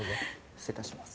失礼いたします。